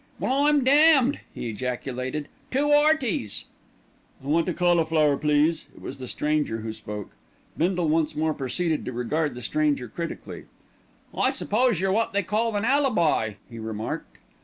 "Well, I'm damned!" he ejaculated. "Two 'Earty's." "I want a cauliflower, please." It was the stranger who spoke. Bindle once more proceeded to regard the stranger critically. "I s'pose you're what they call an alibi," he remarked.